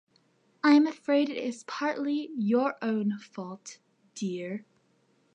I'm afraid it is partly your own fault, dear.